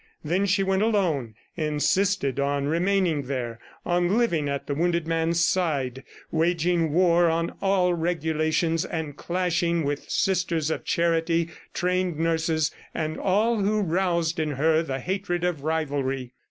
Then she went alone and insisted on remaining there, on living at the wounded man's side, waging war on all regulations and clashing with Sisters of Charity, trained nurses, and all who roused in her the hatred of rivalry.